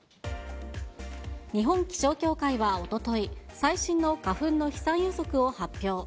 日本気象協会はおととい、最新の花粉の飛散予測を発表。